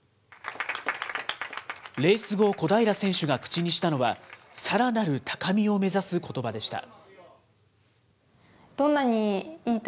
レース後、小平選手が口にしたのは、さらなる高みを目指すことばでした。